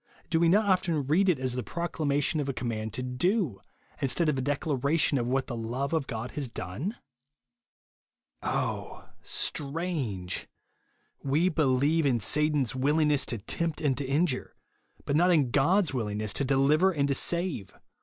Do we not often read it as the proclamation of a command to do, in stead of a declaration of what the love of God has done ? Oh, strange ! We believe in Satan's will ingness to tempt and to injure ; but not in God's willingness to deliver and to save